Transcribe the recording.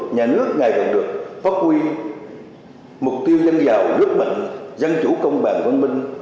nhà nước ngày càng được phát huy mục tiêu dân giàu nước mạnh dân chủ công bằng văn minh